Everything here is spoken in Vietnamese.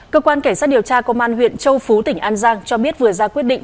cơ quan cảnh sát điều tra công an huyện châu phú tỉnh an giang cho biết vừa ra quyết định